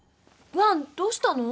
ワンどうしたの？